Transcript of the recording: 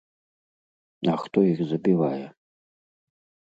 А хто іх забівае?